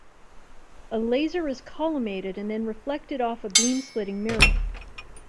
A laser is collimated and then reflected off of a beam-splitting mirror.